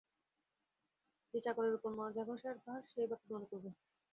যে চাকরের উপরে মাজাঘষার ভার, সেই বা কী মনে করবে?